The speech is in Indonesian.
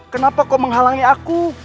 kenapa kau menghalangi aku